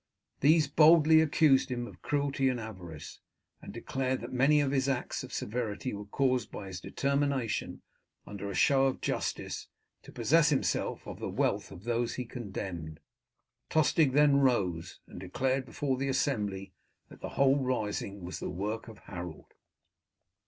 These boldly accused him of cruelty and avarice, and declared that many of his acts of severity were caused by his determination, under a show of justice, to possess himself of the wealth of those he condemned. Tostig then rose and declared before the assembly that the whole rising was the work of Harold.